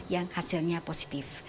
yang hasilnya positif